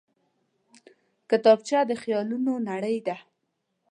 کتابچه د خیالونو نړۍ ده